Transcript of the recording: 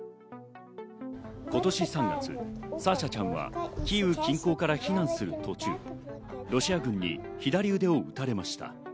今年３月、サーシャちゃんはキーウ近郊から避難する途中、ロシア軍に左腕を撃たれました。